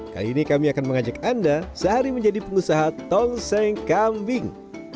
kali ini kami akan mengajak anda sehari menjadi pengusaha tongseng kambing